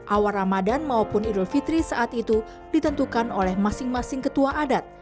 awal ramadan maupun idul fitri saat itu ditentukan oleh masing masing ketua adat